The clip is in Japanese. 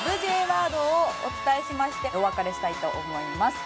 Ｊワードをお伝えしましてお別れしたいと思います。